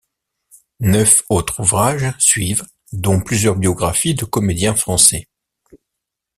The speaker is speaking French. Neuf autres ouvrages suivent dont plusieurs biographies de comédiens français.